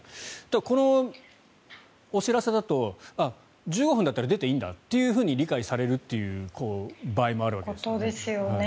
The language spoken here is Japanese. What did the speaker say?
このお知らせだとあ、１５分だったら出ていいんだって理解されるという場合もあるわけですよね。